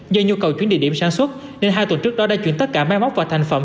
do nhu cầu chuyển địa điểm sản xuất nên hai tuần trước đó đã chuyển tất cả máy móc và thành phẩm